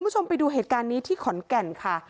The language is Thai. คุณผู้ชมไปดูเหตุการณ์นี้ที่ขอนแก่นค่ะ